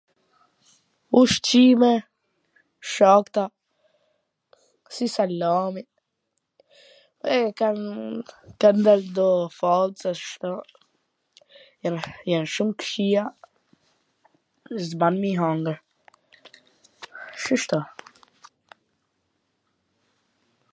ushqime, shakta, si salami, e kan dal kto fallcot kshtu, jan shum t kqija, z ban me i hangwr, shishto.